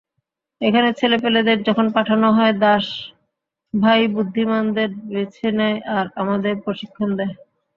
এখানে ছেলেপেলেদের যখন পাঠানো হয় দাস ভাই বুদ্ধিমানদের বেছে নেয় আর আমাদের প্রশিক্ষণ দেয়।